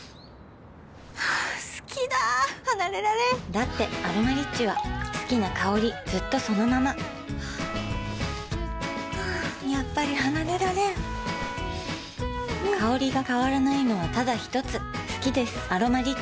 好きだ離れられんだって「アロマリッチ」は好きな香りずっとそのままやっぱり離れられん香りが変わらないのはただひとつ好きです「アロマリッチ」